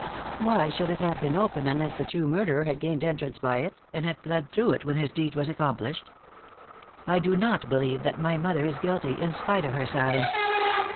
Why should it have been open unless the true murderer had gained entrance by it, and had fled through it when his deed was accomplished? I do not believe that my mother is guilty, in spite of her silence.